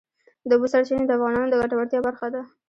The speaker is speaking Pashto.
د اوبو سرچینې د افغانانو د ګټورتیا برخه ده.